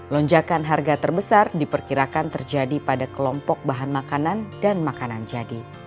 lonjakan harga terbesar diperkirakan terjadi pada kelompok bahan makanan dan makanan jadi